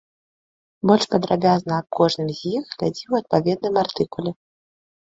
Больш падрабязна аб кожным з іх глядзі ў адпаведным артыкуле.